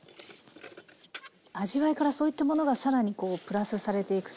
味わいからそういったものが更にこうプラスされていくと。